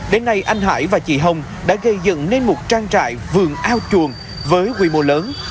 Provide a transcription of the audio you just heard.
đến nay anh hải và chị hồng đã gây dựng nên một trang trại vườn ao chuồng với quy mô lớn